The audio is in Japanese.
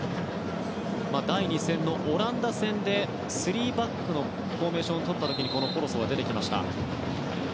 第２戦のオランダ戦で３バックのフォーメーションをとった時にこのポロソが出てきました。